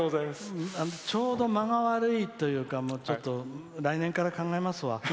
ちょうど間が悪いというか来年から考えますわ。